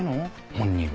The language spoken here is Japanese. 本人は。